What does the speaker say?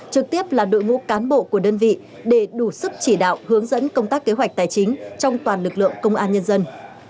trực tiếp là đội ngũ cán bộ của đơn vị để đủ sức chỉ đạo hướng dẫn công tác kế hoạch tài chính trong toàn lực lượng công an nhân dân